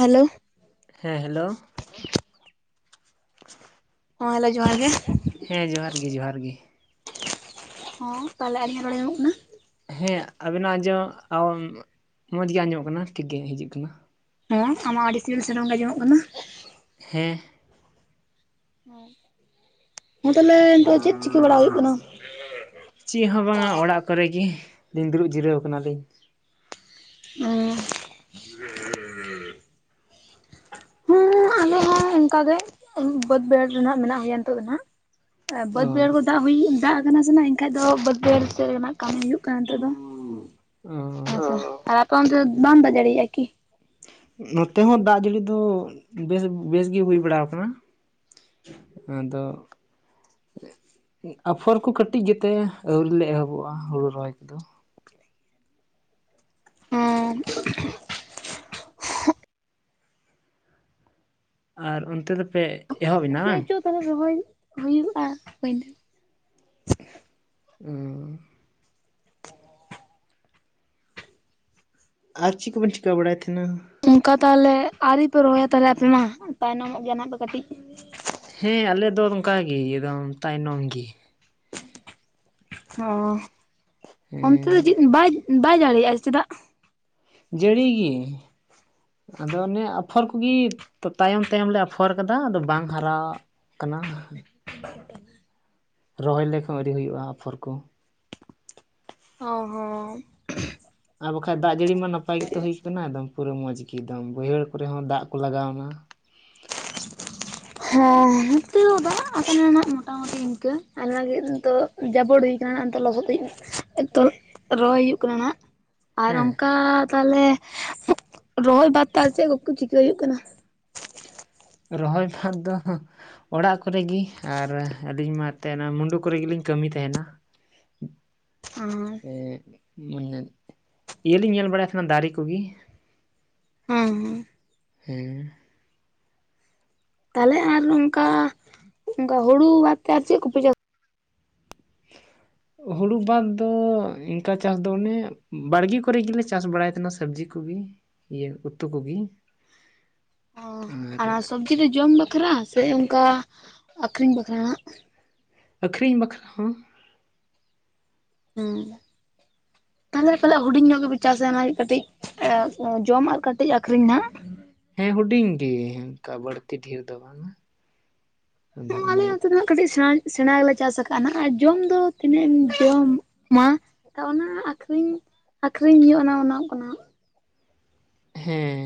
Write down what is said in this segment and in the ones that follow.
Hello ᱦᱮᱸ hello ᱦᱮᱸ hello ᱡᱚᱦᱟᱸᱨ ᱜᱮ ᱦᱮᱸ ᱡᱚᱦᱟᱸᱨ ᱜᱮ ᱡᱚᱦᱟᱸᱨ ᱜᱮ ᱦᱚᱸ [unintelligible] ᱧᱟᱢᱚᱜ ᱠᱟᱱᱟ ᱦᱮᱸ ᱟᱵᱮᱱᱟᱜ ᱟᱸᱡᱚᱢ ᱢᱚᱸᱡᱽ ᱜᱮ ᱟᱸᱡᱚᱢᱚᱜ ᱠᱟᱱᱟ ᱴᱷᱤᱠ ᱜᱮ ᱦᱤᱡᱩᱜ ᱠᱟᱱᱟ᱾ ᱦᱮᱸ ᱟᱢᱟᱜ ᱦᱚᱸ ᱟᱹᱰᱤ ᱥᱤᱵᱤᱞ ᱥᱮᱨᱚᱢ ᱜᱮ ᱟᱸᱡᱚᱢᱚᱜ ᱠᱟᱱᱟ ᱦᱮᱸ᱾ ᱦᱮᱸ ᱛᱟᱦᱚᱞᱮ ᱱᱤᱛᱳᱜ ᱪᱮᱫᱽ ᱪᱤᱠᱟᱹ ᱵᱟᱲᱟ ᱦᱩᱭᱩᱜ ᱠᱟᱱᱟ? ᱪᱮᱫ ᱦᱚᱸ ᱵᱟᱝ ᱚᱲᱟᱜ ᱠᱚ ᱨᱮ ᱜᱮ ᱞᱤᱧ ᱫᱩᱲᱩᱵ ᱡᱤᱨᱟᱹᱣ ᱠᱟᱱᱟ ᱞᱤᱧ᱾ ᱚᱸ ᱦᱚᱸ ᱟᱞᱮ ᱦᱚᱸ ᱚᱱᱠᱟ ᱜᱮ ᱵᱟᱹᱫᱽ ᱵᱟᱹᱭᱦᱟᱹᱲ ᱨᱮ ᱢᱮᱱᱟᱜ ᱜᱮᱭᱟ ᱱᱤᱛᱚᱜ ᱫᱚ ᱱᱟᱦᱟᱸᱜ ᱚ ᱵᱟᱹᱫᱽ ᱵᱟᱹᱭᱦᱟᱹᱲ ᱠᱚ ᱫᱚ ᱫᱟᱜ ᱦᱩᱭ ᱫᱟᱜ ᱟᱠᱟᱱᱟ ᱥᱮ ᱮᱱᱠᱷᱟᱡ ᱫᱚ ᱵᱟᱹᱫᱽ ᱵᱟᱹᱭᱦᱟᱹᱲ ᱥᱮᱫ ᱨᱮᱱᱟᱜ ᱠᱟᱹᱢᱤ ᱦᱩᱭᱩᱜ ᱠᱟᱱᱟ ᱱᱤᱛᱚᱜ ᱫᱚ᱾ ᱚ ᱟᱪᱪᱷᱟ ᱟᱨ ᱟᱯᱮ ᱚᱱᱛᱮ ᱵᱟᱝ ᱫᱟᱜ ᱡᱟᱹᱲᱤᱭᱮᱫᱟ ᱠᱤ ᱱᱚᱛᱮ ᱦᱚᱸ ᱫᱟᱜ ᱡᱟᱹᱲᱤ ᱫᱚ ᱵᱮᱥ ᱵᱮᱥ ᱜᱤ ᱦᱩᱭ ᱵᱟᱲᱟ ᱟᱠᱟᱱᱟ᱾ ᱟᱫᱚ ᱟᱯᱷᱚᱨ ᱠᱚ ᱠᱟᱹᱴᱤᱡ ᱜᱮ ᱛᱮ ᱟᱹᱣᱨᱤ ᱞᱮ ᱮᱦᱚᱵᱚᱜᱼᱟ ᱦᱩᱲᱩ ᱨᱚᱦᱚᱭ ᱠᱚ ᱫᱚ᱾ ᱦᱮᱸ ᱟᱨ ᱚᱱᱛᱮ ᱫᱚ ᱯᱮ? ᱞᱟᱹᱭ ᱪᱚ ᱛᱟᱦᱚᱞᱮ ᱨᱚᱦᱚᱭ ᱦᱩᱭᱩᱜᱼᱟ ᱯᱟᱹᱭᱞᱟᱹ ᱚᱸ ᱟᱨ ᱪᱤ ᱠᱚᱵᱮᱱ ᱪᱤᱠᱟᱹ ᱵᱟᱲᱟᱭ ᱛᱟᱦᱮᱸᱱᱟ ᱚᱱᱠᱟ ᱛᱟᱦᱚᱞᱮ ᱟᱹᱣᱨᱤ ᱯᱮ ᱨᱚᱦᱚᱭᱟ ᱛᱟᱦᱚᱞᱮ ᱟᱯᱮ ᱢᱟ ᱛᱟᱭᱱᱚᱢᱚᱜ ᱜᱮᱭᱟ ᱱᱟᱱᱟᱜ ᱯᱮ ᱠᱟᱹᱴᱤᱡ ᱦᱮᱸ ᱟᱞᱮ ᱫᱚ ᱱᱚᱝᱠᱟ ᱜᱮ ᱮᱠᱫᱚᱢ ᱛᱟᱭᱱᱚᱢ ᱜᱮ ᱚᱸ ᱦᱮᱸ᱾ ᱪᱮᱫ ᱪᱮᱫ ᱵᱟᱭ ᱵᱟᱭ ᱡᱟᱲᱤᱭᱨᱜᱼᱟ ᱪᱮ ᱫᱟᱜ ᱡᱟᱹᱲᱤ ᱜᱤ ᱟᱫᱚ ᱚᱱᱮ ᱟᱯᱷᱚᱨ ᱠᱩᱜᱤ ᱛᱟᱭᱚᱢ ᱛᱟᱭᱚᱢ ᱞᱮ ᱟᱯᱷᱚᱨ ᱟᱠᱟᱫᱟ ᱟᱫᱚ ᱵᱟᱝ ᱦᱟᱨᱟ ᱠᱟᱱᱟ [unintelligible] ᱨᱚᱦᱚᱭ ᱞᱮᱠ ᱦᱚᱸ ᱟᱹᱣᱨᱤ ᱦᱩᱭᱩᱜ-ᱟ ᱟᱯᱷᱚᱨ ᱠᱩ ᱚ ᱦᱚᱸ ᱟᱨ ᱵᱟᱠᱷᱟᱡ ᱫᱟᱜ ᱡᱟᱹᱲᱤ ᱢᱟ ᱱᱟᱯᱟᱭ ᱜᱮᱛᱚ ᱦᱩᱭᱩᱜ ᱠᱟᱱᱟ ᱮᱠᱚᱢ ᱯᱩᱨᱟᱹ ᱢᱚᱸᱡᱽ ᱜᱮ ᱮᱠᱚᱢ ᱵᱟᱹᱭᱦᱟᱹᱲ ᱠᱚᱨᱮ ᱦᱚᱸ ᱫᱟᱜ ᱠᱚ ᱞᱟᱜᱟᱣ ᱱᱟ ᱦᱮᱸ ᱱᱚᱛᱮ ᱦᱚᱸ ᱫᱟᱜ ᱟᱠᱟᱱᱟ ᱦᱟᱸᱜ ᱢᱚᱴᱟᱢᱩᱴᱤ ᱤᱱᱠᱟᱹ ᱟᱭ ᱞᱟᱹᱜᱤᱫ ᱫᱚ ᱡᱟᱵᱚᱲᱤ ᱠᱟᱱᱟ ᱱᱟᱜ ᱱᱤᱛᱚᱜ ᱞᱚᱦᱚᱫ ᱫᱤᱜ ᱛᱚ ᱨᱚᱦᱚᱭ ᱦᱩᱭᱩᱜ ᱠᱟᱱᱟ ᱱᱟᱦᱟᱜ ᱟᱨ ᱦᱮᱸ ᱚᱱᱠᱟ ᱛᱟᱦᱚᱞᱮ ᱨᱚᱦᱚᱭ ᱵᱟᱫ ᱛᱮ ᱪᱮᱫ ᱠᱚ ᱠᱚ ᱪᱤᱠᱟᱹᱭ ᱦᱩᱭᱩᱜ ᱠᱟᱱᱟ? ᱨᱚᱦᱚᱭ ᱵᱟᱫ ᱫᱚ ᱚᱲᱟᱜ ᱠᱚᱨᱮ ᱜᱤ ᱟᱨ ᱟᱹᱞᱤᱧ ᱢᱟ ᱮᱱᱛᱮᱫ ᱚᱱᱟ ᱢᱩᱸᱰᱩ ᱠᱚᱨᱮ ᱜᱮᱞᱤᱧ ᱠᱟᱹᱢᱤᱭ ᱛᱟᱦᱮᱸᱱᱟ᱾ ᱟ ᱮᱜ ᱢᱩᱧᱱᱮ ᱤᱭᱟᱹ ᱞᱤᱧ ᱧᱮᱞ ᱵᱟᱲᱟᱭ ᱮᱫ ᱛᱟᱦᱮᱸᱱᱟ ᱫᱟᱨᱮ ᱠᱚᱜᱤ ᱦᱩᱸ ᱦᱩᱸ ᱦᱮᱸ ᱛᱟᱦᱚᱞᱮ ᱟᱨ ᱚᱱᱠᱟ ᱚᱱᱠᱟ ᱦᱩᱲᱩ ᱵᱟᱫ ᱛᱮ ᱟᱨ ᱪᱮᱫ ᱠᱚᱯᱮ ᱪᱟᱥ [unintelligible] ᱦᱩᱲᱩ ᱵᱟᱫᱽ ᱫᱚ ᱤᱱᱠᱟ ᱪᱟᱥ ᱫᱚ ᱚᱱᱮ ᱵᱟᱲᱜᱤ ᱠᱚᱨᱮ ᱜᱮᱞᱮ ᱪᱟᱥ ᱵᱟᱲᱟᱭ ᱮᱫ ᱛᱟᱦᱮᱱᱟ ᱥᱚᱵᱽᱡᱤ ᱠᱩᱵᱤ ᱤᱭᱟᱹ ᱩᱛᱩ ᱠᱩᱜᱤ ᱚ ᱟᱨ ᱥᱚᱵᱽᱡᱤ ᱫᱚ ᱡᱚᱢ ᱵᱟᱠᱷᱨᱟ ᱥᱮ ᱚᱱᱠᱟ ᱟᱹᱠᱷᱨᱤᱧ ᱵᱟᱠᱷᱨᱟ ᱟᱹᱠᱷᱨᱤᱧ ᱵᱟᱠᱷᱨᱟ ᱦᱚᱸ ᱟᱸ ᱛᱟᱦᱚᱞᱮ ᱯᱟᱞᱮᱜ ᱦᱩᱰᱤᱧ ᱧᱚᱜ ᱜᱮᱯᱮ ᱪᱟᱥᱟ ᱚᱱᱟ ᱠᱟᱹᱴᱤᱡ ᱮᱸᱜ ᱡᱚᱢ ᱟᱨ ᱠᱟᱹᱴᱤᱡ ᱟᱹᱠᱷᱨᱤᱧ ᱱᱟᱜ ᱦᱮᱸ ᱦᱩᱰᱤᱧ ᱜᱮ ᱚᱱᱠᱟ ᱵᱟᱹᱲᱛᱤ ᱰᱷᱤᱨ ᱫᱚ ᱵᱟᱝᱟ ᱟᱫᱚ ᱚᱱᱟ ᱟᱞᱮ ᱚᱱᱛᱮ ᱤᱭᱟᱹᱛᱮ ᱫᱚ ᱦᱟᱸᱜ ᱠᱟᱹᱴᱤᱡ ᱥᱮᱬᱟ ᱥᱮᱬᱟ ᱜᱮᱞᱮ ᱪᱟᱥ ᱟᱠᱟᱫ-ᱟ ᱱᱟᱜ ᱟᱨ ᱡᱚᱢ ᱫᱚ ᱛᱤᱱᱟᱹᱜ ᱮᱢ ᱡᱚᱢ ᱢᱟ ᱛᱚ ᱚᱱᱟ ᱟᱠᱷᱨᱤᱧ ᱟᱠᱷᱨᱤᱧ ᱦᱩᱭᱩᱜ ᱟᱱᱟ ᱚᱱᱟᱜ ᱠᱟᱱᱟ ᱦᱮᱸ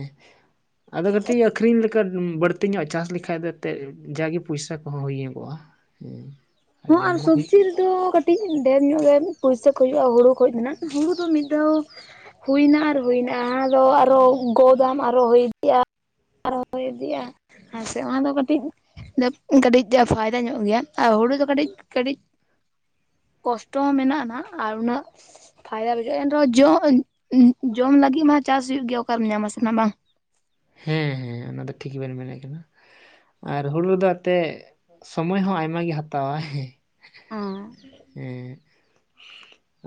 ᱟᱫᱚ ᱠᱟᱹᱴᱤᱡ ᱟᱹᱠᱷᱨᱤᱧ ᱞᱮᱠᱟ ᱵᱟᱹᱲᱛᱤ ᱧᱚᱜ ᱪᱟᱥ ᱞᱮᱠᱷᱟᱡ ᱫᱚ ᱮᱱᱛᱮᱫ ᱡᱟᱜᱮ ᱯᱚᱭᱥᱟ ᱠᱚᱦᱚᱸ ᱦᱩᱭ ᱧᱚᱜᱚᱜ-ᱟ ᱦᱮᱸ ᱦᱚᱸ ᱡᱚᱢ ᱟᱨ ᱢᱟ ᱦᱩᱭᱩᱜ ᱥᱚᱵᱽᱡᱤ ᱫᱚ ᱠᱟᱹᱴᱤᱡ ᱰᱷᱮᱨ ᱧᱚᱜ ᱜᱮ ᱯᱩᱭᱥᱟᱹ ᱠᱚ ᱦᱩᱭᱩᱜᱼᱟ ᱦᱩᱲᱩ ᱠᱷᱚᱡ ᱫᱚ ᱱᱟᱜ ᱦᱩᱲᱩ ᱫᱚ ᱢᱤᱫ ᱫᱷᱟᱹᱣ ᱦᱩᱭ ᱱᱟ ᱟᱨ ᱦᱩᱭ ᱱᱟ ᱟᱫᱚ ᱟᱨᱦᱚ ᱜᱚᱫᱟᱢ ᱟᱨᱦᱚ ᱦᱩᱭ ᱤᱫᱤᱜᱼᱟ ᱟᱨᱦᱚ ᱦᱩᱭ ᱤᱫᱤᱜ-ᱟ ᱟᱨ ᱥᱮ ᱚᱱᱟ ᱫᱚ ᱠᱟᱹᱴᱤᱡ ᱠᱟᱹᱴᱤᱡ ᱯᱷᱟᱭᱫᱟ ᱧᱚᱜ ᱜᱮᱭᱟ ᱟᱨ ᱦᱩᱲᱩ ᱫᱚ ᱠᱟᱹᱴᱤᱡ ᱠᱟᱹᱴᱤᱡ ᱠᱚᱥᱴᱚ ᱦᱚᱸ ᱢᱮᱱᱟᱜ-ᱟ ᱱᱟᱦᱟᱜ ᱟᱨ ᱩᱱᱟᱹᱜ ᱯᱷᱟᱭᱫᱟ ᱵᱩᱡᱷᱟᱹᱜᱼᱟ ᱮᱱ ᱨᱮᱦᱚᱸ ᱡᱚ ᱡᱚᱢ ᱞᱟᱹᱜᱤᱫ ᱢᱟ ᱪᱟᱥ ᱦᱩᱭᱩᱜ ᱜᱮᱭᱟ ᱚᱠᱟ ᱨᱮᱢ ᱧᱟᱢᱟ ᱥᱮ ᱱᱟ ᱵᱟᱝ ᱦᱮᱸ ᱦᱮᱸ ᱚᱱᱟ ᱫᱚ ᱴᱷᱤᱠ ᱵᱮᱱ ᱢᱮᱱᱮᱫ ᱠᱟᱱᱟ᱾ ᱟᱨ ᱦᱩᱲᱩ ᱨᱮᱫᱚ ᱮᱛᱮᱫ ᱥᱚᱢᱚᱭ ᱦᱚᱸ ᱟᱭᱢᱟ ᱜᱮ ᱦᱟᱛᱟ ᱣᱟᱭ ᱟᱸ ᱮᱸ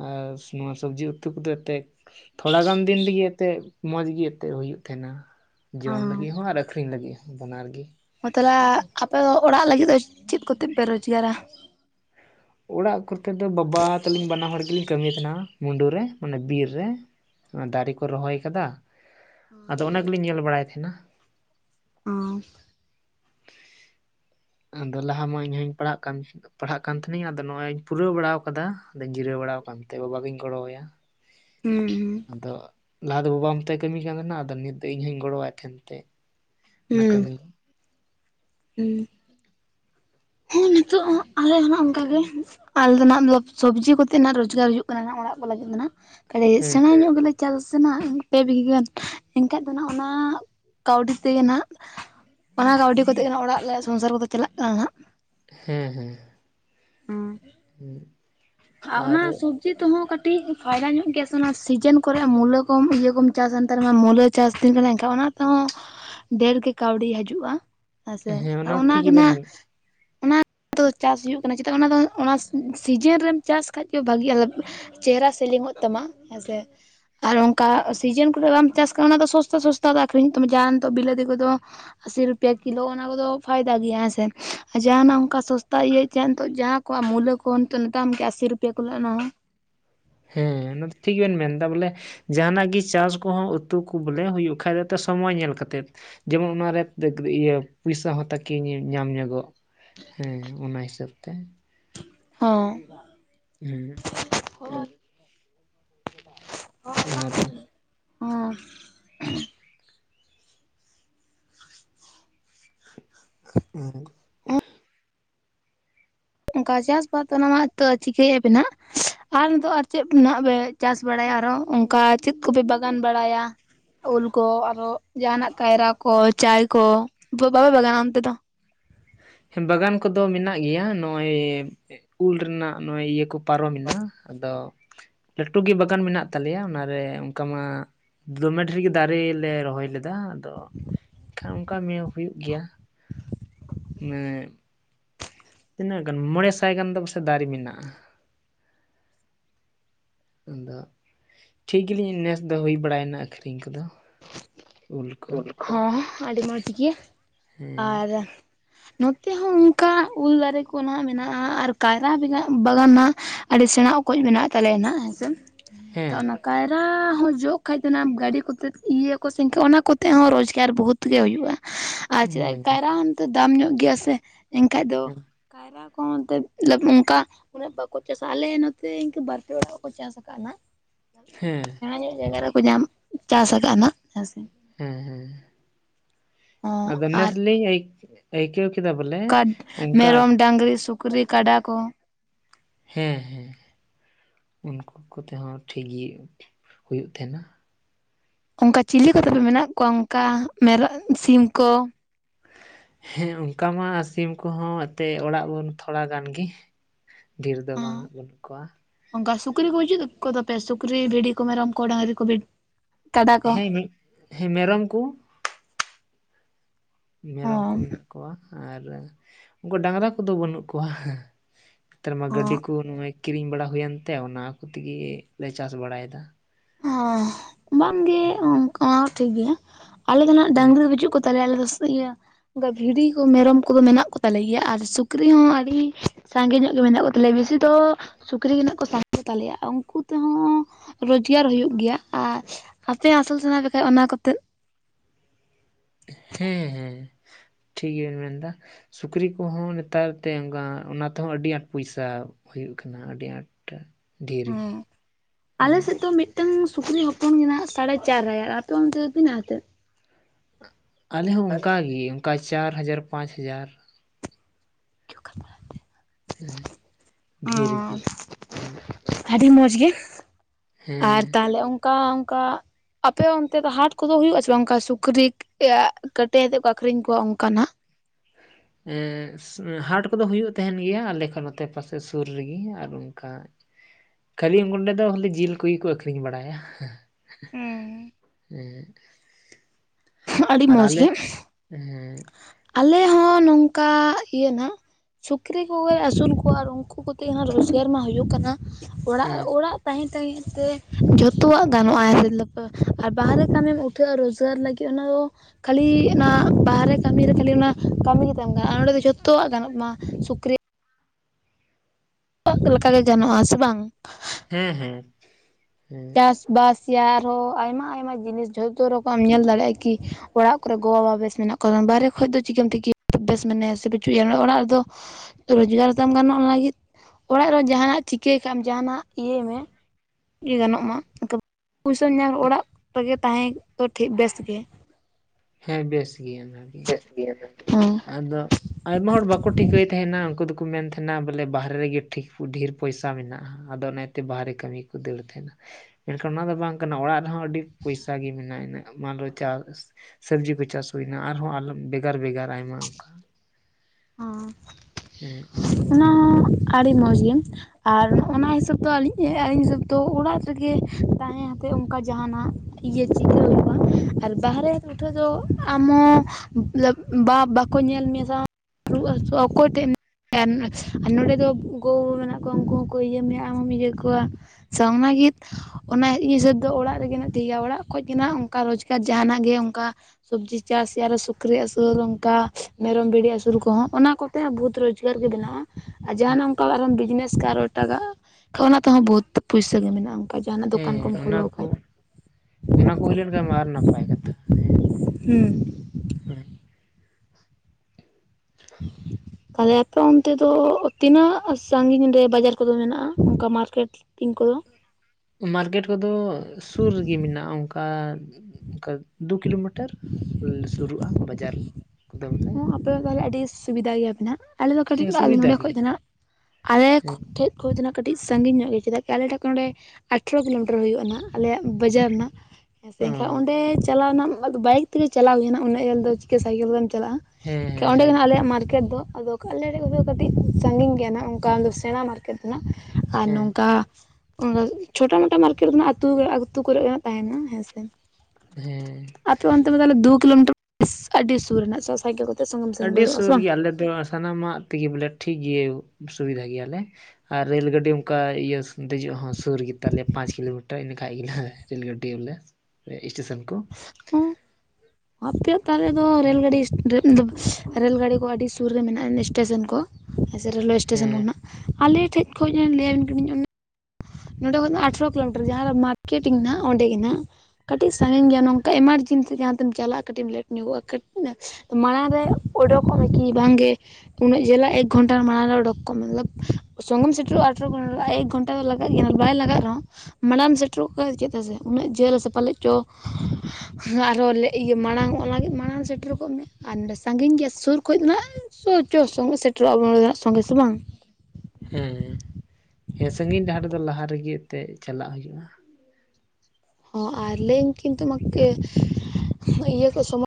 ᱟᱨ ᱱᱚᱣᱟ ᱥᱚᱵᱽᱡᱤ ᱩᱛᱩ ᱠᱩᱫᱩ ᱮᱛᱮᱫ ᱛᱷᱚᱲᱟ ᱜᱟᱱ ᱫᱤᱱ ᱛᱤᱜᱤ ᱮᱛᱮᱫ ᱢᱚᱸᱡᱽ ᱜᱤ ᱮᱛᱮᱫ ᱦᱩᱭᱩᱜ ᱛᱟᱦᱮᱸ ᱱᱟ ᱡᱚᱢ ᱞᱟᱹᱜᱤᱫ ᱦᱚᱸ ᱟᱨ ᱟᱠᱷᱨᱤᱧ ᱞᱟᱹᱜᱤᱫ ᱦᱚᱸ ᱵᱟᱱᱟᱨ ᱜᱤ ᱦᱚ ᱛᱟᱦᱚᱞᱮ ᱟ ᱟᱯᱮ ᱫᱚ ᱚᱲᱟᱜ ᱞᱟᱹᱜᱤᱫ ᱫᱚ ᱪᱮᱫ ᱠᱚᱛᱮᱫ ᱯᱮ ᱨᱚᱡᱽᱜᱟᱨᱟ? ᱚᱲᱟᱜ ᱠᱚᱨᱛᱮ ᱫᱚ ᱵᱟᱵᱟ ᱛᱟᱹᱞᱤᱧ ᱵᱟᱱᱟ ᱦᱚᱲ ᱜᱮᱞᱤᱧ ᱠᱟᱹᱢᱤ ᱛᱟᱦᱮᱱᱟ ᱢᱩᱰᱩ ᱨᱮ ᱢᱟᱱᱮ ᱵᱤᱨ ᱨᱮ ᱫᱟᱨᱮ ᱠᱚ ᱨᱚᱦᱚᱭ ᱠᱟᱫᱟ ᱟᱫᱚ ᱚᱱᱟ ᱠᱚᱞᱤᱧ ᱧᱮᱞ ᱵᱟᱲᱟᱭ ᱮᱫ ᱛᱟᱦᱮᱱᱟ᱾ ᱚᱸᱢ ᱟᱫᱚ ᱞᱟᱦᱟ ᱢᱟ ᱤᱧ ᱦᱚᱧ ᱯᱟᱲᱦᱟᱜ ᱠᱟᱱ ᱯᱟᱲᱦᱟᱜ ᱠᱟᱱ ᱛᱟᱦᱮᱱ ᱤᱧ ᱟᱫᱚ ᱱᱚᱜ-ᱚᱧ ᱯᱩᱨᱟᱹᱣ ᱵᱟᱲᱟ ᱟᱠᱟᱫᱟ ᱟᱫᱚᱧ ᱡᱤᱨᱟᱹᱣ ᱵᱟᱲᱟ ᱠᱟᱱᱛᱮ ᱵᱟᱵᱟ ᱜᱤᱧ ᱜᱚᱲᱚ ᱟᱭᱟ [inaudible] ᱦᱩᱸ ᱦᱩᱸ ᱟᱫᱚ ᱞᱟᱦᱟ ᱫᱚ ᱵᱟᱵᱟ ᱱᱤᱛᱚᱜ ᱠᱟᱹᱢᱤ ᱠᱟᱱ ᱛᱟᱦᱮᱱᱟ ᱟᱫᱚ ᱱᱤᱛ ᱫᱚ ᱤᱧ ᱦᱚᱧ ᱜᱚᱲᱚᱣᱟᱭ ᱛᱟᱦᱮᱱ ᱛᱮ ᱚᱱᱟ ᱦᱩᱸ ᱠᱟᱹᱢᱤ ᱦᱩᱸ ᱦᱚ ᱱᱤᱛᱚᱜ ᱦᱚ ᱟᱞᱮ ᱦᱚ ᱚᱱᱠᱟ ᱜᱮ ᱟᱞᱮ ᱫᱚ ᱱᱟᱜ ᱥᱚᱵᱽᱡᱤ ᱠᱚᱛᱮ ᱱᱟᱜ ᱨᱚᱡᱽᱜᱟᱨ ᱦᱩᱭᱩᱜ ᱠᱟᱱᱟ ᱚᱲᱟᱜ ᱠᱚ ᱞᱟᱹᱜᱤᱫ ᱟᱫᱚ ᱦᱮᱸ ᱥᱮᱬᱟ ᱧᱚᱜ ᱜᱮᱞᱮ ᱪᱟᱞᱥ ᱥᱮ ᱱᱟᱦᱟᱜ ᱯᱮ ᱵᱤᱜᱷᱟᱹ ᱜᱟᱱ ᱮᱱᱠᱷᱟᱡ ᱫᱚ ᱦᱟᱜ ᱚᱱᱟ ᱠᱟᱹᱣᱰᱤ ᱛᱮᱜᱮ ᱱᱟᱦᱟᱜ ᱚᱱᱟ ᱠᱟᱹᱣᱰᱤ ᱠᱚᱛᱮ ᱜᱮ ᱚᱲᱟᱜ ᱨᱮᱭᱟᱜ ᱥᱚᱝᱥᱟᱨ ᱠᱚᱫᱚ ᱪᱟᱞᱟᱜ ᱠᱟᱱᱟ ᱦᱟᱜ ᱦᱮᱸ ᱦᱮᱸ ᱚᱻ ᱟ ᱚᱱᱟ ᱟᱨ ᱥᱚᱵ ᱥᱚᱵᱡᱤ ᱛᱮᱦᱚ ᱠᱟᱹᱴᱤᱡ ᱯᱷᱟᱭᱫᱟ ᱧᱚᱜ ᱜᱮᱭᱟ ᱥᱮ ᱚᱱᱟ ᱥᱤᱡᱤᱱ ᱠᱚᱨᱮ ᱢᱩᱞᱟᱹ ᱠᱚᱢ ᱤᱭᱟᱹ ᱠᱚᱢ ᱪᱟᱥ ᱮᱱᱛᱮ ᱨᱮᱢᱟ ᱢᱩᱞᱟᱹ ᱪᱟᱥ ᱫᱤᱱ ᱠᱟᱱᱟ ᱮᱱᱠᱷᱟᱱ ᱚᱱᱟ ᱛᱮᱦᱚ ᱰᱮᱲ ᱜᱮ ᱠᱟᱹᱣᱰᱤ ᱦᱤᱡᱩᱜ-ᱟ ᱦᱮᱥᱮ ᱦᱮᱸ ᱚᱱᱟ ᱴᱷᱤᱠ ᱜᱮ ᱦᱟᱱᱟᱜ ᱜᱮᱵᱮᱱ ᱚᱱᱟ ᱫᱚ ᱪᱟᱥ ᱦᱩᱭᱩᱜ ᱠᱟᱱᱟ ᱪᱮᱫᱟᱜ ᱚᱱᱟ ᱫᱚ ᱚᱱᱟ ᱥᱤᱡᱤᱱ ᱨᱮᱢ ᱪᱟᱥ ᱠᱷᱟᱡ ᱜᱮ ᱵᱷᱟᱜᱤᱜ-ᱟ ᱪᱮᱦᱨᱟ ᱥᱮᱞᱤᱝ ᱚᱜ ᱛᱟᱢᱟ ᱦᱮ ᱥᱮ ᱟᱨ ᱚᱱᱠᱟ ᱥᱤᱡᱮᱱ ᱠᱚᱨᱮ ᱵᱟᱢ ᱪᱟᱥ ᱠᱟᱜ ᱚᱱᱟ ᱫᱚ ᱥᱚᱥᱛᱟ ᱥᱚᱥᱛᱟ ᱫᱚ ᱟᱠᱷᱨᱤᱧ ᱦᱩᱭᱩᱜ ᱛᱟᱢᱟ ᱡᱟᱦᱟᱸ ᱱᱤᱛᱚᱜ ᱵᱤᱞᱟᱹᱛᱤ ᱠᱚᱫᱚ ᱟᱥᱤ ᱨᱩᱯᱤᱭᱟ ᱠᱤᱞᱳ ᱚᱱᱟ ᱠᱚᱫᱚ ᱯᱷᱟᱭᱫᱟ ᱜᱮᱭᱟ ᱦᱮᱥᱮ ᱡᱟᱦᱟᱱᱟᱜ ᱚᱱᱠᱟ ᱥᱚᱥᱛᱟ ᱤᱭᱟᱹ ᱪᱟᱜ ᱱᱤᱛᱚᱜ ᱡᱟᱦᱟᱸ ᱠᱚᱣᱟᱜ ᱢᱩᱞᱟᱹ ᱠᱚᱦ ᱱᱤᱛᱚᱜ ᱫᱟᱢ ᱥᱮ ᱟᱥᱤ ᱨᱩᱯᱤᱭᱟ ᱠᱚᱢᱚᱜ-ᱟ ᱱᱟᱝ ᱦᱮ ᱚᱱᱟ ᱫᱚ ᱴᱷᱤᱠ ᱜᱮᱵᱚᱱ ᱢᱮᱱᱫᱟ ᱵᱚᱞᱮ ᱡᱟᱦᱟᱱᱟᱜ ᱜᱮ ᱪᱟᱥ ᱠᱚᱦᱚᱸ ᱩᱛᱩ ᱠᱚ ᱵᱚᱞᱮ ᱦᱩᱭᱩᱜ ᱠᱷᱟ ᱡᱟᱛ ᱥᱚᱢᱚᱭ ᱧᱮᱞ ᱠᱟᱛᱮᱫ ᱡᱮᱢᱚᱱ ᱚᱱᱟᱨᱮ [unintelligible] ᱤᱭᱟᱹ ᱯᱚᱭᱥᱟ ᱦᱚ ᱛᱟᱠᱤ ᱧᱟᱢ ᱧᱚᱜᱚᱜ ᱦᱮ ᱚᱱᱟ ᱦᱤᱥᱟᱹᱵ ᱛᱮ [unintelligible] [unintelligible] ᱟᱨ [unintelligible] [unintelligible] [unintelligible] [unintelligible] ᱚᱱᱠᱟ ᱪᱟᱥ ᱵᱟᱥ ᱚᱱᱟ ᱢᱟ ᱛᱚ ᱪᱤᱠᱟᱹᱭᱮᱫ ᱟᱵᱤᱱᱟ ᱟᱢ ᱫᱚ ᱟᱨ ᱪᱮᱫ ᱠᱚ ᱱᱟᱦᱟᱜ ᱵᱮᱱ ᱪᱟᱥ ᱵᱟᱲᱟᱭᱟ ᱟᱨᱚ ᱚᱱᱠᱟ ᱪᱮᱫ ᱠᱚᱯᱮ ᱵᱟᱜᱟᱱ ᱵᱟᱲᱟᱭᱟ ᱩᱞ ᱠᱚ ᱟᱨᱚ ᱡᱟᱦᱟᱱᱟᱜ ᱠᱟᱭᱨᱟ ᱠᱚ ᱪᱟᱭ ᱠᱚ ᱵᱟᱯᱮ ᱵᱟᱜᱟᱱᱟ ᱚᱱᱛᱮ ᱫᱚ ᱵᱟᱜᱟᱱ ᱠᱚᱫᱚ ᱢᱮᱱᱟᱜ ᱜᱮᱭᱟ ᱱᱚᱜ-ᱚᱭ ᱩᱞ ᱨᱮᱱᱟᱜ ᱱᱚᱜ ᱤᱭᱟᱹ ᱠᱚ ᱯᱟᱨᱚᱢᱮᱱᱟ ᱟᱫᱚ ᱞᱟᱹᱴᱩ ᱜᱮ ᱵᱟᱜᱟᱱ ᱢᱮᱱᱟᱜ ᱛᱟᱞᱮᱭᱟ ᱚᱱᱟᱨᱮ ᱚᱱᱠᱟ ᱢᱟ ᱫᱚᱢᱮ ᱰᱷᱨᱤᱜᱮ ᱫᱟᱨᱮ ᱞᱮ ᱨᱚᱦᱚᱭ ᱞᱮᱫᱟ ᱟᱫᱚ ᱮᱱᱠᱷᱟᱱ ᱚᱱᱠᱟ ᱢᱮ ᱦᱩᱭᱩᱜ ᱜᱮᱭᱟ ᱢᱮᱻ ᱛᱤᱱᱟᱹᱜ ᱜᱟᱱ ᱢᱚᱬᱮ ᱥᱟᱭ ᱜᱟᱱ ᱫᱚ ᱯᱟᱥᱮᱡ ᱫᱟᱨᱮ ᱢᱮᱱᱟᱜ-ᱟ ᱟᱫᱚ ᱴᱷᱤᱠ ᱜᱮᱞᱤᱧ ᱱᱮᱥ ᱫᱚ ᱦᱩᱭ ᱵᱟᱲᱟᱭᱮᱱᱟ ᱟᱹᱠᱷᱨᱤᱧ ᱠᱚᱫᱚ ᱩᱞ ᱠᱚ ᱦᱚᱸ ᱟᱹᱰᱤ ᱢᱚᱡᱽ ᱜᱮ ᱦᱮᱸ ᱟᱨ ᱱᱚᱛᱮ ᱦᱚ ᱚᱱᱠᱟ ᱩᱞ ᱫᱟᱨᱮ ᱠᱚ ᱢᱮᱱᱟᱜ-ᱟ ᱟᱨ ᱠᱟᱭᱨᱟ ᱵᱟᱜᱟᱱ ᱦᱟᱜ ᱟᱹᱰᱤ ᱥᱮᱬᱟ ᱚᱠᱚᱡ ᱢᱮᱱᱟᱜ ᱛᱟᱞᱮᱭᱟ ᱱᱟᱦᱟᱜ ᱦᱮᱥᱮ ᱦᱮᱸ ᱚᱱᱟ ᱠᱟᱭᱨᱟ ᱦᱚᱸ ᱡᱚᱜ ᱠᱷᱟᱡ ᱫᱚ ᱚᱱᱟ ᱜᱟᱹᱰᱤ ᱠᱚᱛᱮ ᱤᱭᱟᱹᱭᱟᱠᱚ ᱥᱮ [unintelligible] ᱚᱱᱟ ᱠᱚᱛᱮ ᱱᱟᱛᱮ ᱦᱚ ᱨᱳᱡᱽᱜᱟᱨ ᱵᱚᱦᱩᱛ ᱜᱮ ᱦᱩᱭᱩᱜ-ᱟ ᱟᱨ ᱪᱮᱫᱟᱜ ᱦᱮᱸ ᱠᱟᱭᱨᱟ ᱦᱚ ᱱᱚᱛᱮ ᱫᱟᱢ ᱧᱚᱜ ᱜᱮᱭᱟ ᱥᱮ ᱮᱱᱠᱟᱡ ᱫᱚ ᱦᱮᱸ ᱠᱟᱭᱨᱟ ᱠᱚᱦᱚ ᱱᱚᱛᱮ ᱚᱱᱠᱟ ᱩᱱᱟᱹᱜ ᱵᱟᱠᱚ ᱪᱟᱥᱟ ᱟᱞᱮ ᱱᱚᱛᱮ ᱤᱱᱠᱟᱹ ᱵᱟᱨᱯᱮ ᱚᱲᱟᱜᱠᱚ ᱪᱟᱥᱟ [inaudible] ᱦᱮᱸ ᱥᱮᱬᱟ ᱧᱚᱜ ᱡᱟᱭᱜᱟ ᱨᱮᱠᱚ ᱧᱟᱢ ᱪᱟᱥ ᱟᱠᱟᱱᱟᱜ ᱪᱟᱥᱤ ᱦᱩᱸ ᱦᱩᱸ ᱦᱚᱸ ᱟᱫᱚ ᱟᱨ ᱱᱮᱥ ᱞᱤᱧ ᱟᱭᱠᱟᱹ- ᱟᱭᱠᱟᱹ ᱠᱟᱫᱽ ᱢᱮᱨᱚᱢ ᱰᱟᱝᱜᱽᱨᱤ ᱥᱩᱠᱨᱤ ᱠᱟᱰᱟ ᱠᱚ᱾ ᱦᱮᱸ ᱦᱮᱸ ᱩᱱᱠᱩ ᱠᱩᱛᱮ ᱦᱚᱸᱴᱷᱤᱠ ᱜᱤ ᱦᱩᱭᱩᱜ ᱛᱮᱦᱮᱱᱟ᱾ ᱚᱱᱠᱟ ᱪᱤᱞᱤ ᱠᱚᱪᱚ ᱠᱚ ᱢᱮᱱᱟᱜ ᱠᱚᱣᱟ ᱚᱱᱠᱟ ᱢᱮᱨᱚᱜ ᱥᱤᱢ ᱠᱚ᱾ ᱦᱮᱸ ᱚᱱᱠᱟ ᱢᱟ ᱥᱤᱢ ᱠᱩᱦᱚᱸ ᱮᱸᱛᱮᱜ ᱚᱲᱟᱜ ᱵᱩᱱ ᱛᱷᱚᱲᱟ ᱜᱟᱱ ᱜᱮ᱾ ᱰᱷᱤᱨ ᱫᱚ ᱵᱟᱝᱟ ᱵᱟᱹᱱᱩᱜ ᱠᱚᱣᱟ᱾ ᱚᱱᱠᱟ ᱥᱩᱠᱨᱤ ᱠᱚ ᱵᱟᱹᱪᱩᱜ ᱠᱚ ᱛᱟᱯᱮᱭᱟ ᱥᱩᱠᱨᱤ ᱵᱷᱤᱰᱤ ᱠᱚ ᱢᱮᱨᱚᱢ ᱠᱚ ᱰᱟᱹᱝᱨᱤ ᱠᱚ ᱵᱷᱤᱰᱼᱼ ᱦᱮᱸ ᱜᱤᱜ ᱢᱮᱨᱚᱢ ᱠᱩ? ᱢᱮᱨᱚᱢ ᱠᱩ ᱦᱚᱸ ᱢᱤᱱᱟᱜ ᱠᱚᱣᱟ ᱟᱨ ᱩᱱᱠᱩ ᱰᱟᱝᱨᱟ ᱠᱩᱫᱚ ᱵᱟᱹᱱᱩᱜ ᱠᱚᱣᱟ᱾ ᱱᱮᱛᱟᱨ ᱢᱟ ᱜᱟᱹᱰᱤ ᱠᱚ ᱱᱚᱜ-ᱚᱭ ᱠᱤᱨᱤᱧ ᱵᱟᱲᱟ ᱦᱩᱭᱮᱱ ᱛᱮ ᱚᱱᱟ ᱠᱚ ᱛᱤᱜᱤ ᱞᱮ ᱪᱟᱥ ᱵᱟᱲᱟᱭ ᱫᱟ ᱦᱚᱸ ᱵᱟᱝᱜᱮ ᱚᱝᱠᱟᱸ ᱛᱤᱜᱤ᱾ ᱟᱞᱮ ᱫᱚ ᱱᱟᱦᱟᱸᱜ ᱦᱮᱸ ᱰᱟᱝᱨᱤ ᱵᱟᱹᱪᱩᱜ ᱠᱚ ᱛᱟᱞᱮᱭᱟ ᱟᱞᱮ ᱫᱚ ᱥᱮ ᱤᱭᱟᱹᱼᱼ ᱚᱱᱠᱟ ᱵᱷᱤᱰᱤ ᱠᱚ ᱢᱮᱨᱚᱢ ᱠᱚᱫᱚ ᱢᱮᱱᱟᱜ ᱠᱚ ᱛᱟᱞᱮ ᱜᱮᱭᱟ ᱟᱨ ᱥᱩᱠᱨᱤ ᱦᱚᱸ ᱟᱰᱤᱼᱼ ᱥᱟᱸᱜᱮ ᱧᱚᱜ ᱜᱮ ᱢᱮᱱᱟᱜ ᱠᱚ ᱛᱟᱞᱮᱭᱟ ᱵᱮᱥᱤ ᱫᱚᱼᱼ ᱥᱩᱠᱨᱤ ᱜᱮ ᱤᱱᱟᱹᱜ ᱠᱚ ᱥᱟᱝᱜᱮ ᱛᱟᱞᱮᱭᱟ ᱩᱱᱠᱩ ᱛᱮᱦᱚᱸ ᱨᱚᱡᱽᱼᱼ [unintelligible] ᱦᱩᱭᱩᱜ ᱜᱮᱭᱟ ᱟᱨ ᱟᱯᱮ ᱟᱥᱩᱞ ᱥᱟᱱᱟ ᱯᱮ ᱠᱷᱟᱡ ᱚᱱᱟ ᱠᱚᱛᱮᱜᱼᱼ ᱦᱮᱸ ᱦᱮᱸ ᱴᱷᱤᱠ ᱜᱮ ᱵᱮᱱ ᱢᱮᱱ ᱫᱟ᱾ ᱥᱩᱠᱨᱤ ᱠᱚᱦᱚᱸ ᱱᱮᱛᱟᱨ ᱛᱮ ᱚᱱᱠᱟ ᱚᱱᱟ ᱛᱮᱦᱚᱸ ᱟᱹᱰᱤ ᱟᱸᱴ ᱯᱚᱭᱥᱟ᱾ ᱦᱩᱭᱩᱜ ᱠᱟᱱᱟ ᱟᱹᱰᱤ ᱟᱸᱴ ᱰᱷᱮᱨ ᱦᱚᱸ ᱜᱮ ᱟᱞᱮ ᱦᱮᱸ ᱥᱮᱜ ᱫᱚ ᱢᱤᱫᱼᱼ ᱢᱤᱫᱴᱟᱝ ᱥᱩᱠᱨᱤ ᱦᱚᱯᱚᱱ ᱜᱮ ᱱᱟᱦᱟᱸᱜ ᱥᱟᱲᱮ ᱪᱟᱨ ᱦᱟᱡᱟᱨ ᱟᱨ ᱟᱯᱮ ᱚᱱᱛᱮ ᱫᱚ ᱛᱤᱱᱟᱹᱜ ᱠᱟᱛᱮᱜ? ᱟᱞᱮ ᱦᱚᱸ ᱩᱝᱠᱟ ᱜᱮ ᱩᱱᱠᱟ ᱪᱟᱨ ᱦᱟᱡᱟᱨ ᱯᱟᱸᱪ ᱦᱟᱡᱟᱨ᱾ [unintelligible] ᱚᱸᱻ ᱰᱷᱮᱨ ᱜᱮ ᱟᱸᱨᱻ᱾ ᱦᱮᱸ ᱦᱟᱰᱤ ᱢᱚᱸᱡᱽ ᱜᱮ ᱟᱨ ᱦᱮᱸ ᱛᱟᱦᱚᱞᱮ ᱚᱱᱠᱟ ᱚᱱᱠᱟᱼᱼ ᱟᱯᱮ ᱚᱱᱛᱮ ᱫᱚ ᱦᱟᱴ ᱠᱚᱫᱚ ᱦᱩᱭᱩᱜ-ᱟ ᱥᱮ ᱵᱟᱝ ᱚᱱᱠᱟ ᱥᱩᱠᱨᱤ ᱠᱮᱻᱭᱮ ᱠᱟᱴᱮᱡ ᱟᱛᱮᱜ ᱠᱚ ᱟᱠᱷᱨᱤᱧ ᱠᱚᱣᱟ ᱚᱱᱠᱟ ᱱᱟᱦᱟᱸᱜ᱾ ᱦᱮᱸᱥᱻ- ᱮᱥ ᱦᱟᱴ ᱠᱚᱫᱚ ᱦᱩᱭᱩᱜ ᱛᱮᱦᱮᱱ ᱜᱮᱭᱟ ᱟᱞᱮ ᱠᱷᱚᱱ ᱱᱚᱛᱮ ᱯᱟᱥᱮ ᱥᱩᱨ ᱨᱮᱜᱤ ᱟᱨ ᱚᱱᱠᱟᱼᱼ ᱠᱷᱟᱹᱞᱤ ᱚᱝᱜᱚᱰᱮ ᱫᱚ ᱠᱷᱟᱹᱞᱤ ᱡᱤᱞ ᱠᱩᱜᱤ ᱠᱩ ᱟᱹᱠᱷᱨᱤᱧ ᱵᱟᱲᱟᱭᱟ ᱦᱮᱸᱦᱮᱸ, ᱦᱮᱸᱜ᱾ ᱟᱹᱰᱤ ᱢᱚᱡᱽ ᱜᱮ ᱦᱮᱸ ᱟᱞᱮ ᱦᱚᱸ ᱱᱚᱝᱠᱟ ᱤᱭᱟᱹ ᱱᱟᱦᱟᱸᱜᱼᱼ ᱥᱩᱠᱨᱤ ᱠᱚᱜᱮ ᱟᱥᱩᱞ ᱠᱚᱣᱟ ᱟᱨ ᱩᱱᱠᱩ ᱠᱚᱛᱮ ᱦᱚᱸ ᱨᱳᱡᱽᱜᱟᱨ ᱢᱟ ᱦᱩᱭᱩᱜ ᱠᱟᱱᱟ ᱦᱮᱸ ᱚᱲᱟᱜᱼᱚᱲᱟᱜᱼᱼ ᱛᱟᱦᱮᱸ ᱛᱟᱦᱮᱸ ᱛᱮ ᱡᱷᱚᱛᱚᱣᱟᱜ ᱜᱟᱱᱚᱜ-ᱟ ᱥᱮ ᱞᱟᱹᱯᱟᱹ ᱟᱨ ᱵᱟᱦᱨᱮ ᱠᱟᱢᱤᱢ ᱩᱴᱷᱟᱹᱜ-ᱟ ᱨᱳᱡᱽᱜᱟᱨ ᱞᱟᱹᱜᱤᱫᱼᱼ ᱪᱮᱫ ᱦᱚᱸ ᱵᱟᱸᱜ ᱠᱷᱟᱹᱞᱤ ᱚᱱᱟ ᱵᱟᱦᱨᱮ ᱠᱟᱢᱤ ᱨᱮ ᱠᱷᱟᱹᱞᱤ ᱚᱱᱟ ᱠᱟᱢᱤ ᱜᱮ ᱛᱟᱦᱮᱱ ᱠᱟᱱᱟ ᱟᱨ ᱱᱚᱸᱰᱮ ᱫᱚ ᱡᱷᱚᱛᱚᱣᱟᱜ ᱜᱟᱱᱚᱜ ᱢᱟ ᱥᱩᱠᱨᱤᱼᱼ ᱛᱚᱣᱟᱜ ᱞᱮᱠᱟ ᱜᱮ ᱜᱟᱱᱚᱜ-ᱟ ᱥᱮ ᱵᱟᱝ᱾ ᱦᱮᱸ ᱦᱮᱸ᱾ ᱦᱮᱸ ᱪᱟᱥᱼᱼ ᱵᱟᱥ ᱭᱟ ᱟᱨᱦᱚᱸ ᱟᱭᱢᱟ ᱟᱭᱢᱟ ᱡᱤᱱᱤᱥ ᱡᱷᱚᱛᱚ ᱨᱚᱠᱚᱢ ᱧᱮᱞ ᱫᱟᱲᱮᱭᱟᱜ-ᱟ ᱠᱤ ᱚᱲᱟᱜ ᱠᱚᱨᱮ ᱜᱚ ᱵᱟᱵᱟ ᱵᱮᱥ ᱢᱮᱱᱟᱜᱼᱼ ᱠᱚᱨᱚᱱ ᱵᱟᱦᱨᱮ ᱠᱷᱚᱡ ᱫᱚ ᱪᱤᱠᱟᱹᱢ ᱴᱷᱤᱠᱟᱹᱭᱟ ᱵᱮᱥ ᱢᱮᱱᱟᱭᱟ ᱥᱮ ᱵᱟᱹᱪᱩᱜ ᱮᱭᱟ ᱱᱚᱸᱰᱮ ᱚᱲᱟᱜ ᱨᱮᱫᱚᱼᱼ ᱨᱳᱡᱽᱜᱟᱨ ᱫᱟᱢ ᱜᱟᱱᱚᱜ-ᱟ ᱚᱱᱟ ᱞᱟᱹᱜᱤᱫ ᱚᱲᱟᱜ ᱨᱮ ᱡᱟᱦᱟᱸ ᱱᱟᱜ ᱪᱤᱠᱟᱹᱭ ᱠᱷᱟᱡ ᱮᱢ ᱡᱟᱦᱟᱸ ᱱᱟᱜ ᱤᱭᱟᱹᱭ ᱢᱮ᱾ ᱤᱭᱟᱹ ᱜᱟᱱᱚᱜ ᱢᱟ ᱚᱱᱠᱟ ᱯᱩᱭᱥᱟᱹ ᱧᱟᱢ ᱚᱲᱟᱜ ᱨᱮᱜᱮ ᱛᱟᱦᱮᱸ ᱫᱚ ᱴᱷᱤᱠ ᱵᱮᱥ ᱜᱮ᱾ ᱦᱮᱸ ᱵᱮᱥ ᱜᱤᱭᱟ ᱚᱱᱟ ᱜᱤ ᱦᱮᱸ ᱟᱫᱚᱼᱼ ᱟᱭᱢᱟ ᱦᱚᱲ ᱵᱟᱠᱚ ᱴᱷᱤᱠᱟᱹᱭ ᱛᱟᱦᱮᱱᱟ ᱩᱱᱠᱩ ᱫᱩᱠᱩ ᱢᱮᱱ ᱛᱷᱮᱱᱟ ᱵᱚᱞᱮ ᱵᱟᱨᱦᱨᱮ ᱨᱮᱜᱤ ᱴᱷᱤᱠ ᱰᱷᱤᱨ ᱯᱚᱭᱥᱟ ᱢᱤᱱᱟᱜ-ᱟ ᱟᱫᱚ ᱚᱱᱮᱼᱼ ᱛᱮ ᱵᱟᱨᱦᱨᱮ ᱠᱟᱹᱢᱤ ᱠᱚ ᱫᱟᱹᱲ ᱛᱟᱦᱮᱱᱟ ᱢᱮᱱ ᱠᱷᱟᱱ ᱚᱱᱟ ᱫᱚ ᱵᱟᱝᱼᱼ ᱠᱟᱱᱟ ᱚᱲᱟᱜ ᱨᱮᱦᱚᱸ ᱟᱹᱰᱤ ᱯᱩᱭᱥᱟ ᱜᱤ ᱢᱤᱱᱟᱜ ᱤᱱᱟᱹᱜ ᱢᱟᱱ ᱞᱚ ᱪᱟᱥᱼᱼ ᱥᱟᱹᱵᱽᱡᱤ ᱠᱚ ᱪᱟᱥ ᱦᱩᱭ ᱱᱟ ᱟᱨᱦᱚᱸ ᱟᱞᱚᱢ ᱵᱷᱮᱜᱟᱨ ᱵᱮᱜᱟᱨ ᱟᱭᱢᱟ ᱚᱱᱠᱟ᱾ ᱦᱚᱸ᱾ ᱩᱹᱜ᱾ ᱚᱱᱟ ᱦᱚᱸ ᱟᱰᱤ ᱢᱚᱡᱽ ᱜᱮ᱾ ᱟᱨ ᱚᱱᱟ ᱦᱤᱥᱟᱹᱵᱽ ᱛᱮ ᱟᱹᱞᱤᱧ ᱧᱮᱭ ᱟᱹᱞᱤᱧ ᱦᱤᱥᱟᱹᱵᱽ ᱫᱚ ᱚᱲᱟᱜ ᱨᱮᱜᱮ ᱛᱟᱦᱮᱸ ᱦᱟᱛᱮᱜ ᱚᱱᱠᱟ ᱡᱟᱦᱟᱸ ᱱᱟᱜᱼᱼ ᱤᱭᱟᱹ ᱪᱤᱠᱟᱹ ᱦᱩᱭᱩᱜ-ᱟ ᱟᱨ ᱵᱟᱦᱨᱮ ᱩᱴᱷᱟᱹᱣ ᱫᱚ ᱟᱢ ᱦᱚᱸᱼᱼ ᱢᱚᱛᱞᱚᱵᱽ ᱵᱟ ᱵᱟᱠᱚ ᱧᱮᱞ ᱢᱮᱭᱟ ᱥᱟᱶ ᱨᱩᱣᱟᱹ ᱦᱟᱹᱥᱩᱜ-ᱟ ᱚᱠᱚᱭ ᱴᱷᱮᱡ ‌ᱮᱢᱼᱼ ᱟᱨ ᱟᱨ ᱱᱚᱸᱰᱮ ᱫᱚ ᱜᱚ-ᱵᱟᱵᱟ ᱢᱮᱱᱟᱜ ᱠᱚᱣᱟ ᱩᱱᱠᱩ ᱦᱚᱸᱠᱚ ᱤᱭᱟᱹ ᱢᱮᱭᱟ ᱟᱢᱦᱚᱢ ᱤᱭᱟᱹ ᱠᱚᱣᱟ᱾ ᱥᱟᱶ ᱞᱟᱹᱜᱤᱫ ᱚᱱᱟ ᱤᱧ ᱦᱤᱥᱟᱹᱵ ᱫᱚ ᱚᱲᱟᱜ ᱨᱮᱜᱮ ᱱᱟ ᱚᱲᱟᱜ ᱠᱷᱚᱡ ᱜᱮ ᱱᱟᱜ ᱚᱱᱠᱟ ᱨᱳᱡᱽ ᱡᱟᱦᱱᱟᱜ ᱜᱮ ᱚᱱᱠᱟ ᱥᱚᱵᱽᱡᱤ ᱪᱟᱥ ᱥᱩᱠᱨᱤ ᱟᱹᱥᱩᱞ ᱚᱱᱠᱟ ᱢᱮᱨᱚᱢ ᱵᱷᱤᱰᱤ ᱟᱹᱥᱩᱞ ᱠᱚᱦᱚᱸ ᱚᱱᱟ ᱠᱚᱛᱮ ᱦᱚᱸ ᱵᱚᱦᱩᱛ ᱨᱳᱡᱽᱜᱟᱨᱜᱮ ᱵᱮᱱᱟᱜᱼᱟ ᱟᱨ ᱡᱟᱦᱟᱱᱟᱜ ᱚᱱᱠᱟ ᱟᱨᱦᱚᱸ ᱵᱤᱡᱽᱱᱮᱥ ᱠᱟ ᱟᱨᱚ ᱮᱴᱟᱜᱟᱜ ᱚᱱᱟ ᱛᱮᱦᱚᱸ ᱵᱚᱦᱩᱛ ᱯᱩᱭᱥᱟᱹ ᱜᱮ ᱢᱮᱱᱟᱜᱼᱟ᱾ ᱚᱱᱠᱟ ᱡᱟᱦᱟᱱᱟᱜ ᱫᱚᱠᱟᱱ ᱦᱮᱸ ᱠᱚᱢ ᱚᱱᱟ ᱠᱷᱩᱞᱟᱹᱣ ᱠᱚ ᱠᱷᱟᱡ ᱚᱱᱟ ᱠᱚ ᱦᱩᱭ ᱞᱮᱱᱠᱷᱟᱱ ᱟᱨ ᱱᱟᱯᱟᱭ ᱠᱟᱛᱷᱟ ᱦᱮᱸ ᱦᱩᱸ ᱦᱮᱸ [unintelligible] ᱛᱟᱦᱚᱞᱮ ᱟᱯᱮ ᱚᱱᱛᱮ ᱫᱚ ᱛᱤᱱᱟᱹᱜ ᱥᱟᱺᱜᱤᱧ ᱨᱮ ᱵᱟᱡᱟᱨ ᱠᱚᱫᱚ ᱢᱮᱱᱟᱜᱼᱟ ᱚᱱᱠᱟ ᱢᱟᱨᱠᱮᱴ? ᱛᱤᱱ ᱠᱚᱫᱚ ᱢᱟᱨᱠᱮᱴ ᱠᱚᱫᱚ ᱥᱩᱨ ᱨᱮᱜᱮ ᱢᱮᱱᱟᱜᱼᱟ ᱚᱱᱠᱟ ᱚᱱᱠᱟ ᱫᱩ ᱠᱤᱞᱳᱢᱤᱴᱟᱨ᱾ ᱥᱩᱨᱩᱜᱼᱟ ᱵᱟᱡᱟᱨ ᱠᱚᱫᱚ ᱵᱚᱞᱮ ᱟᱯᱮ ᱫᱚ ᱛᱟᱦᱚᱞᱮ ᱟᱹᱰᱤ ᱥᱩᱵᱤᱫᱟ ᱜᱮᱭᱟᱯᱮᱱᱟᱜ ᱟᱞᱮ ᱫᱚ ᱦᱮᱸ ᱠᱟᱹᱴᱤᱡ ᱥᱩᱵᱤᱫᱷᱟ ᱱᱚᱰᱮ ᱜᱮ ᱠᱷᱚᱡ ᱫᱚ ᱦᱱᱟᱜ ᱟᱞᱮ ᱦᱮᱸ ᱴᱷᱮᱡ ᱠᱷᱚᱡᱱᱟ ᱠᱟᱹᱴᱤᱡ ᱥᱟᱺᱜᱤᱧ ᱧᱚᱜ ᱜᱮ ᱪᱮᱫᱟᱜ ᱠᱤ ᱟᱞᱮ ᱴᱷᱮᱡ ᱠᱷᱚᱱ ᱱᱚᱰᱮ ᱟᱴᱷᱨᱚ ᱠᱤᱞᱳᱢᱤᱴᱟᱨ ᱦᱩᱭᱩᱜ-ᱟᱱᱟ ᱟᱞᱮᱭᱟᱜ ᱵᱟᱡᱟᱨ ᱱᱟ᱾ ᱦᱮᱸ ᱥᱮ ᱮᱱᱠᱷᱟᱱ ᱚ ᱚᱸᱰᱮ ᱪᱟᱞᱟᱣ ᱨᱮᱱᱟᱜ ᱵᱟᱭᱤᱠ ᱛᱮᱜᱮ ᱪᱟᱞᱟᱣ ᱦᱩᱭᱱᱟ ᱩᱱᱟᱹᱜ ᱧᱮᱞ ᱫᱚ ᱪᱤᱠᱟᱹ ᱥᱟᱭᱠᱮᱞ ᱛᱮᱢ ᱪᱟᱞᱟᱜᱼᱟ᱾ ᱦᱮᱸ ᱮ ᱦᱮᱸ ᱚᱸᱰᱮ ᱨᱟᱭ ᱠᱷᱚᱱᱟᱜ ᱟᱞᱮ ᱢᱟᱨᱠᱮᱴ ᱫᱚ ᱟᱫᱚ ᱟᱞᱮ ᱦᱩᱭᱩᱜ ᱠᱟᱹᱴᱤᱡ ᱥᱟᱺᱜᱤᱧ ᱜᱮᱭᱟ ᱱᱟᱸᱜ ᱚᱱᱠᱟ ᱫᱚ ᱥᱮᱬᱟ ᱢᱟᱨᱠᱮᱴ ᱫᱚ ᱟᱨ ᱦᱮᱸ ᱱᱚᱝᱠᱟ ᱪᱷᱳᱚᱴᱟ ᱢᱳᱚᱴᱟ ᱢᱟᱨᱠᱮᱴ ᱠᱟᱱᱟ ᱟᱹᱛᱩᱜᱮ ᱟᱹᱛᱩ ᱠᱚᱨᱮ ᱛᱟᱦᱮᱸᱱᱟ ᱦᱮᱸᱥᱮ᱾ ᱦᱮᱸ ᱟᱯᱮ ᱚᱱᱛᱮ ᱢᱟ ᱛᱟᱦᱚᱞᱮ ᱫᱩ ᱟᱯᱮ ᱟᱯᱮ ᱚᱱᱛᱮ ᱠᱷᱚᱱ ᱫᱚ ᱠᱤᱞᱳᱢᱤᱴᱟᱨ ᱟᱹᱰᱤ ᱥᱩᱨ ᱨᱮᱱᱟᱜ ᱥᱮ ᱥᱟᱭᱠᱮᱞ ᱠᱚᱛᱮ ᱥᱚᱸᱜᱮᱢ ᱥᱮᱱ ᱟᱹᱰᱤ ᱜᱚᱫᱚᱜᱼᱟ ᱥᱮ ᱥᱩᱨ ᱵᱟᱝ ᱜᱮᱭᱟ ᱟᱞᱮ ᱥᱟᱱᱟᱢᱟᱜ ᱛᱮᱜᱤ ᱵᱚᱞᱮ ᱴᱷᱤᱠ ᱜᱮ ᱥᱩᱵᱤᱫᱷᱟ ᱜᱮᱭᱟᱞᱮ᱾ ᱟᱨ ᱨᱮᱹᱞ ᱜᱟᱹᱰᱤ ᱚᱱᱠᱟ ᱤᱭᱟᱹ ᱫᱮᱡᱚᱜ ᱦᱚᱸ ᱥᱩᱨ ᱜᱮᱛᱟᱞᱮᱭᱟ ᱯᱟᱸᱪ ᱠᱤᱞᱳᱢᱤᱴᱟᱨ ᱤᱱᱟᱹᱠᱷᱟᱡ ᱜᱮᱞᱮ ᱨᱮᱞ ᱜᱟᱹᱰᱤ ᱨᱮᱞᱮ ᱮᱥᱴᱮᱥᱮᱱ ᱠᱚ ᱦᱸ ᱟᱯᱮ ᱛᱟᱦᱞᱮ ᱫᱚ ᱨᱮᱹᱞ ᱦᱮᱸ ᱜᱟᱹᱰᱤ ᱨᱮᱹᱞ ᱜᱟᱹᱟᱹᱲᱤ ᱠᱚ ᱟᱹᱰᱤ ᱥᱩᱨ ᱨᱮ ᱢᱮᱱᱟᱜᱼᱟ ᱮᱥᱴᱮᱥᱚᱱ ᱠᱚ ᱦᱮᱸ ᱥᱮ ᱨᱮᱹᱞᱳᱣᱮ ᱮᱥᱴᱮᱥᱚᱱ ᱦᱮᱸ ᱠᱷᱚᱱᱟᱜ ᱟᱞᱮ ᱴᱷᱮᱡ ᱠᱷᱚᱱ ᱞᱟᱹᱭᱟᱵᱤᱱ ᱠᱟᱹᱱᱟᱹᱧ ᱚᱱᱟ ᱱᱚᱸᱰᱮ ᱠᱷᱚᱱ ᱟᱴᱷᱨᱚ ᱠᱤᱞᱳᱢᱤᱴᱟᱨ ᱡᱟᱦᱟᱸᱨᱮ ᱢᱟᱨᱠᱮᱴᱤᱝ ᱱᱟᱜ ᱚᱸᱰᱮ ᱜᱤ ᱱᱟᱜ᱾ ᱠᱟᱹᱴᱤᱡ ᱥᱟᱺᱜᱤᱧ ᱜᱮᱭᱟ ᱱᱚᱝᱠᱟ ᱮᱢᱟᱨᱡᱮᱱᱥᱤ ᱡᱟᱦᱟᱸ ᱛᱮᱢ ᱪᱟᱞᱟᱜᱼᱟ ᱠᱟᱹᱴᱤᱡ ᱮᱢ ᱞᱮᱴ ᱧᱚᱜᱚᱜᱼᱟ ᱠᱟᱹᱴᱤᱡ ᱢᱟᱲᱟᱝ ᱨᱮ ᱩᱰᱩᱠᱚᱜ ᱢᱮ ᱠᱤ ᱵᱟᱝᱜᱮ ᱩᱱᱟᱹᱜ ᱡᱷᱮᱞᱟ ᱮᱠ ᱜᱷᱚᱱᱴᱟ ᱢᱟᱲᱟᱝ ᱨᱮ ᱚᱰᱚᱠ ᱠᱚᱜᱢᱮ ᱥᱚᱝᱜᱮᱢ ᱥᱮᱴᱮᱨᱼᱟ ᱟᱴᱷᱟᱨᱚ ᱜᱷᱚᱱᱴᱟ ᱮᱠ ᱜᱷᱚᱱᱴᱟ ᱞᱟᱜ-ᱟ ᱞᱟᱜ ᱜᱮᱱᱟ. ᱞ ᱵᱟᱭ ᱞᱟᱜᱟᱜ ᱨᱮᱦᱚᱸ ᱢᱟᱲᱟᱢ ᱥᱮᱴᱮᱨᱚᱜ ᱠᱷᱟ ᱪᱮᱫᱟᱜ ᱥᱮ ᱩᱱᱟᱹᱜ ᱡᱷᱟᱹᱞ ᱟᱥᱮ ᱯᱟᱞᱮᱫ ᱪᱚ ᱟᱨᱚ ᱤᱭᱟᱹ ᱢᱟᱲᱟᱝ ᱚ ᱞᱟᱹᱜᱤᱫ ᱢᱟᱲᱟᱝ ᱥᱮᱴᱮᱨ ᱠᱚᱜ ᱢᱮ᱾ ᱟᱨ ᱱᱚᱰᱮ ᱥᱟᱺᱜᱤᱧ ᱜᱮᱭᱟ ᱥᱩᱨ ᱠᱷᱚᱡ ᱫᱚᱱᱟ ᱥᱚᱡᱮ ᱥᱚᱝᱜᱮ ᱥᱮᱴᱮᱨᱚᱜᱼᱟ ᱟᱵᱚ ᱱᱚᱰᱮ ᱱᱟᱜ ᱥᱚᱸᱜᱮ ᱥᱮ ᱵᱟᱝ ᱦᱮᱸ ᱦᱮᱸ ᱥᱟᱺᱜᱤᱧ ᱰᱟᱦᱟᱨᱫᱚ ᱞᱟᱦᱟ ᱨᱮᱜᱤ ᱮᱱᱛᱮ ᱪᱟᱞᱟᱜ ᱦᱩᱭᱩᱜᱼᱟ᱾ ᱟᱨ ᱞᱟᱹᱭᱟᱹᱧ ᱠᱤᱱᱛᱩ ᱤᱭᱟᱹ ᱠᱚ ᱥᱚᱢ